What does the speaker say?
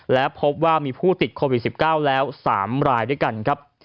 และพบว่ามีผู้ติดโควิด๑๙แล้ว๓รายด้วยกันครับ